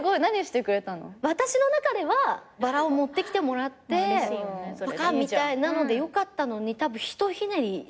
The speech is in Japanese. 私の中ではバラを持ってきてもらってパカッみたいなのでよかったのにひとひねり入れてしまった。